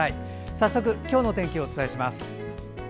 早速、今日の天気をお伝えします。